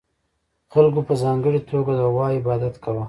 خلکو په ځانګړې توګه د غوا عبادت کاوه